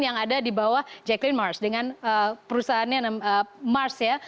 yang ada di bawah jacqueen mars dengan perusahaannya mars ya